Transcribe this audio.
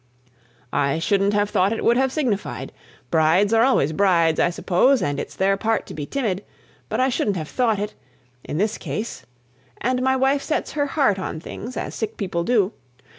"I shouldn't have thought it would have signified. Brides are always brides, I suppose; and it's their part to be timid; but I shouldn't have thought it in this case. And my wife sets her heart on things, as sick people do.